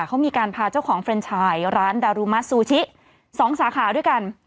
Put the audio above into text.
เขามีการพาเจ้าของเฟรนชายร้านดารุมะซูชิ๒สาขาด้วยกัน